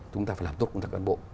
chúng ta phải làm tốt cùng các cán bộ